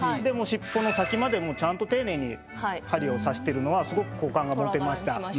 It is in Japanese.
で尻尾の先までちゃんと丁寧に針を刺してるのはすごく好感が持てました。